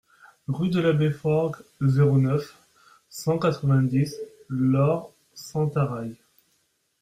Rue de l'Abbé Forgues, zéro neuf, cent quatre-vingt-dix Lorp-Sentaraille